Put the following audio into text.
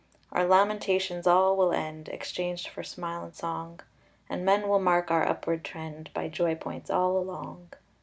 Our lamentations all will end, Exchanged for smile and song, And men will mark our upward trend By joy points all along.